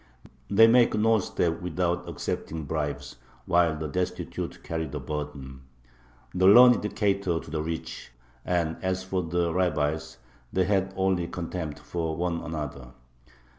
They make no step without accepting bribes, while the destitute carry the burden.... The learned cater to the rich, and, as for the rabbis, they have only contempt for one another.